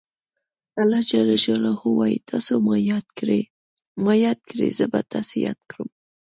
الله ج وایي تاسو ما یاد کړئ زه به تاسې یاد کړم.